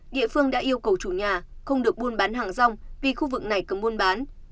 địa phương đã yêu cầu chủ nhà không được buôn bán hàng rong vì khu vực này cứ muôn bán